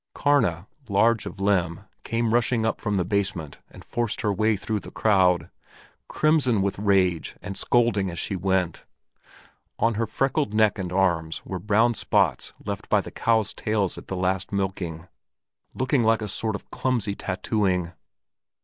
Karna, large of limb, came rushing up from the basement and forced her way through the crowd, crimson with rage and scolding as she went. On her freckled neck and arms were brown marks left by the cows' tails at the last milking, looking like a sort of clumsy tattooing.